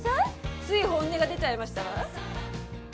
つい本音が出ちゃいましたわ。